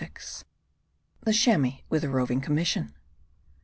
THE CHAMOIS WITH A ROVING COMMISSION.